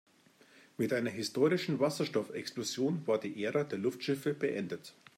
Mit einer historischen Wasserstoffexplosion war die Ära der Luftschiffe beendet.